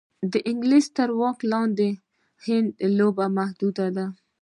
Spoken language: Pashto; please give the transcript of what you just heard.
د انګلیس تر واک لاندې هند کې لوبه محدوده ده.